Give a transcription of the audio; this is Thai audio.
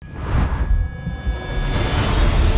มันไม่สุดนักการเมืองเขาต้องการสุด